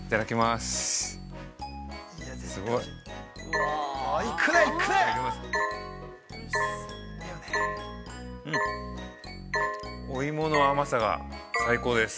すごい。お芋の甘さが最高です。